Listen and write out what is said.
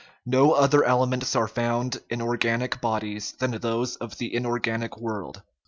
No other elements are found in organic bodies than those of the inorganic world.